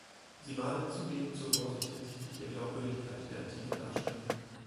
Sie mahnen zudem zur Vorsicht hinsichtlich der Glaubwürdigkeit der antiken Darstellungen.